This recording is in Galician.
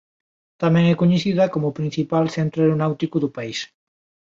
Tamén é coñecida como o principal centro aeronáutico do país.